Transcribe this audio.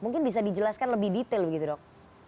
mungkin bisa dijelaskan lebih detail begitu dok